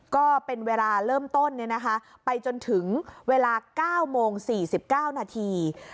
ก็เป็นเวลาเริ่มต้นไปจนถึงเวลา๙โมง๔๙นาที